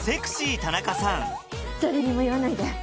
誰にも言わないで！